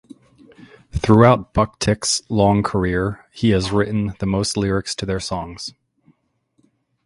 Throughout Buck-Tick's long career, he has written the most lyrics to their songs.